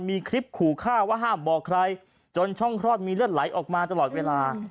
มีคลิปขู่ฆ่าว่าห้ามบอกใครจนช่องคลอดมีเลือดไหลออกมาตลอดเวลา